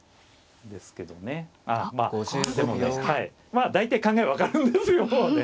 まあ大体考え分かるんですよね。